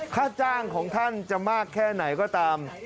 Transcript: ค่าจ้างของท่านจะมากแค่ไหนก็ตาม